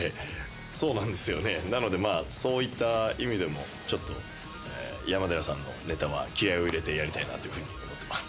そうなんですよねなのでまぁそういった意味でもちょっと山寺さんのネタは気合を入れてやりたいなというふうに思ってます。